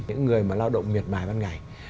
những người lao động miệt mài ban ngày